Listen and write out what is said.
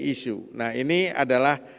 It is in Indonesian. isu nah ini adalah